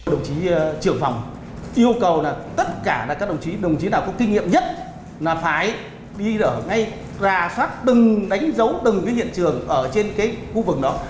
đồng chí trưởng phòng yêu cầu tất cả các đồng chí nào có kinh nghiệm nhất phải đi rở ngay ra phát đừng đánh dấu đừng với hiện trường ở trên khu vực đó